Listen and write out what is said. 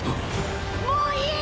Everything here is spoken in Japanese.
もういい！